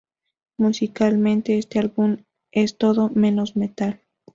Musicalmente, este álbum es todo menos metal.